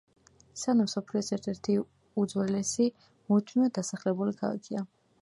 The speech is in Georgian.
სანა მსოფლიოს ერთ-ერთი უძველესი მუდმივად დასახლებული ქალაქია.